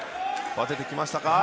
ばててきましたか。